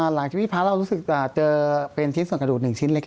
หลังจากที่พระเรารู้สึกเจอเป็นชิ้นส่วนกระดูก๑ชิ้นเล็ก